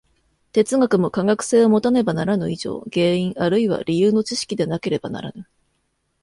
哲学も科学性をもたねばならぬ以上、原因あるいは理由の知識でなければならぬ。